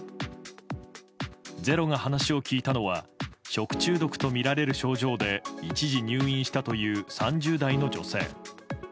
「ｚｅｒｏ」が話を聞いたのは食中毒とみられる症状で一時入院したという３０代の女性。